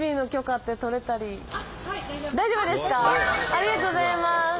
ありがとうございます。